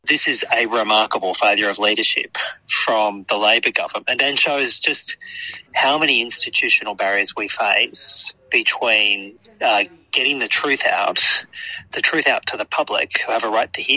ini adalah kegagalan yang luar biasa dari pemerintah labour dan menunjukkan seberapa banyak perintah institusional yang kita lakukan untuk mengembangkan kebenaran kepada rakyat yang memiliki hak untuk mendengar ini